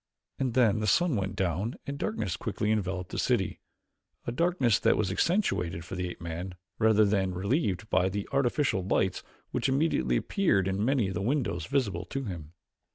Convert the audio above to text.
And then the sun went down and darkness quickly enveloped the city a darkness that was accentuated for the ape man rather than relieved by the artificial lights which immediately appeared in many of the windows visible to him.